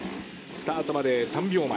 スタートまで３秒前。